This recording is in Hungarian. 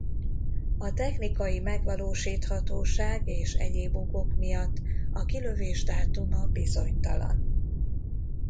A technikai megvalósíthatóság és egyéb okok miatt a kilövés dátuma bizonytalan.